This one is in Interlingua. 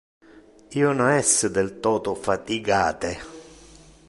Io non es del toto fatigate.